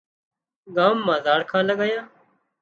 ڳام مان زاڙکان لڳايان